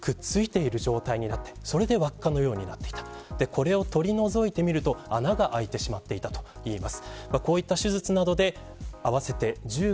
これを取り除いてみると穴が開いてしまっていたといいます。